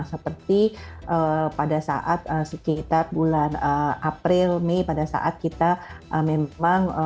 seperti pada saat sekitar bulan april mei pada saat kita memang